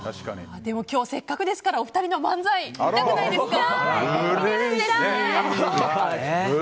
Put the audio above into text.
でも今日はせっかくなのでお二人の漫才、見たくないですか。